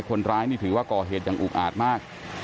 คนร้ายนี่ถือว่าก่อเหตุอย่างอุกอาจมาก